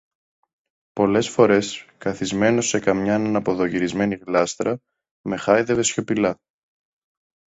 Πολλές φορές, καθισμένος σε καμιάν αναποδογυρισμένη γλάστρα, με χάιδευε σιωπηλά